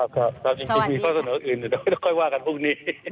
อเจมส์ครับครับจริงมีข้อสนุกอื่นแต่ไม่ต้องค่อยว่ากันพรุ่งนี้